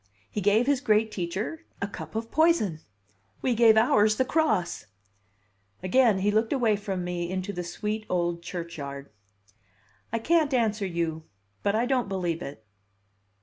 He gave his great teacher a cup of poison. We gave ours the cross." Again he looked away from me into the sweet old churchyard. "I can't answer you, but I don't believe it."